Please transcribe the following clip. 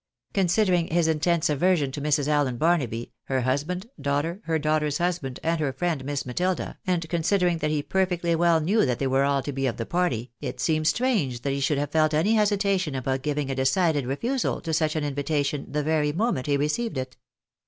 Considering his intense aversion to Mrs. Allen Barnaby, her husband, daughter, her daughter's husband, and her friend Miss Matilda, and considering that he perfectly well knew that they were all to be of the party, it seems strange that he should have felt any hesitation about giving a decided refusal to such an invitation the very moment he received it.